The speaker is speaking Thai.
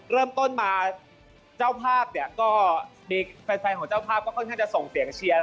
เริ่มต้นมาเจ้าภาพเนี่ยก็มีแฟนของเจ้าภาพก็ค่อนข้างจะส่งเสียงเชียร์